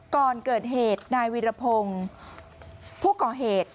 ก่อนเกิดเหตุนายวีรพงศ์ผู้ก่อเหตุ